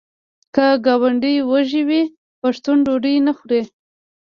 که ګاونډی وږی وي پښتون ډوډۍ نه خوري.